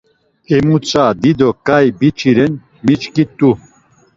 Emutza dido ǩai biç̌i ren miçkit̆u.